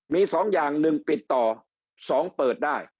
มี๒อย่าง๑ปิดต่อ๒เปิดได้